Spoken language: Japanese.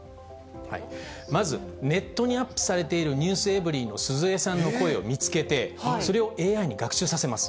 まず、ネットにアップされているｎｅｗｓｅｖｅｒｙ．の鈴江さんの声を見つけて、それをＡＩに学習させます。